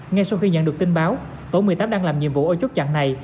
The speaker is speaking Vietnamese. ngay sau khi nhận được tin báo tổ một mươi tám đang làm nhiệm vụ ở chốt chặn này